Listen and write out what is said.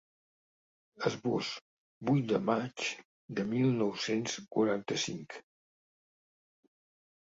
Esbós: vuit de maig de mil nou-cents quaranta-cinc.